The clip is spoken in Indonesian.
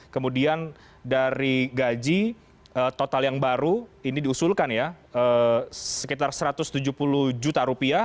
kemudian dari gaji total yang baru ini diusulkan ya sekitar rp satu ratus tujuh puluh juta rupiah